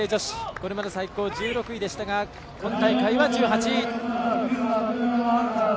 これまで最高１６位でしたが今大会は１８位。